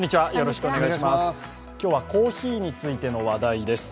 今日はコーヒーについての話題です。